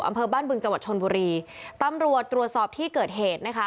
อำเภอบ้านบึงจังหวัดชนบุรีตำรวจตรวจสอบที่เกิดเหตุนะคะ